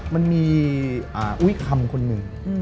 มันมีอุ้ยคำคนหนึ่ง